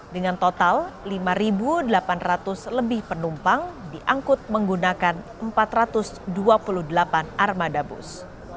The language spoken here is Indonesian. dengan total lima delapan ratus lebih penumpang diangkut menggunakan empat ratus dua puluh delapan armada bus